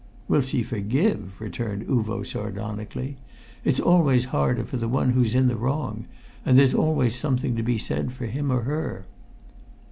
"Will she forgive?" returned Uvo sardonically. "It's always harder for the one who's in the wrong, and there's always something to be said for him or her!"